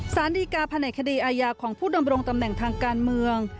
สารดีการแผนกคดีอาญาของผู้ดำรงตำแหน่งทางการเมือง